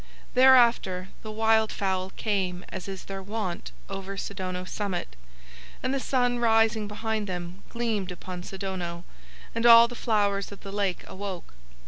Thereafter the wildfowl came as is their wont over Sidono's summit, and the sun rising behind them gleamed upon Sidono, and all the flowers of the lake awoke.